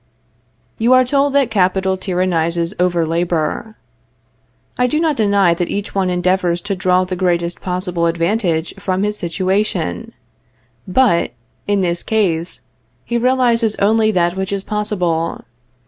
You are told that capital tyrannizes over labor. I do not deny that each one endeavors to draw the greatest possible advantage from his situation; but, in this sense, he realizes only that which is possible.